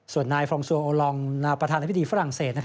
ส่วนนายฟรองซัวโอลองประธานาธิบดีฝรั่งเศส